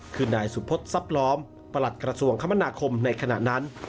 คือนายสุพธิ์ทรัพย์ล้อมประหลัดกระทรวงคมนาคมในขณะนั้น